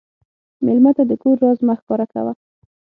مېلمه ته د کور راز مه ښکاره کوه.